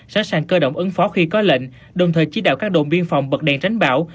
sẵn sàng cơ động ứng phó khi có lệnh đồng thời chỉ đạo các đồn biên phòng bật đèn tránh bão